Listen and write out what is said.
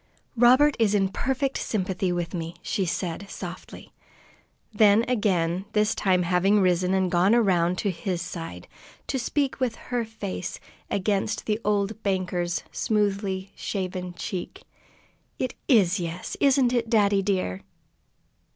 "Robert is in perfect sympathy with me," she said softly. Then again, this time having risen and gone around to his side, to speak with her face against the old banker's smoothly shaven cheek, "It is 'yes,' isn't it, daddy dear?"